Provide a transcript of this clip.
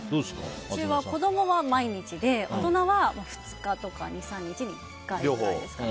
うちは子どもは毎日で大人は２日とか２３日に１回とかですかね。